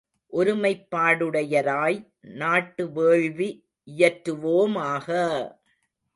ஒருமைப்பாடுடையராய் நாட்டு வேள்வி இயற்றுவோமாக!